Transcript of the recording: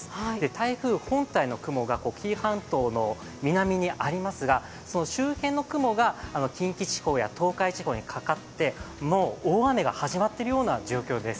台風本体の雲が紀伊半島の南にありますが、その周辺の雲が近畿地方や東海地方にかかってもう大雨が始まってるような状況です。